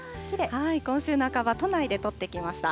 今週半ば、都内で撮ってきました。